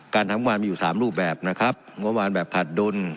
การทำงานมีอยู่๓รูปแบบนะครับงบประมาณแบบขาดดุล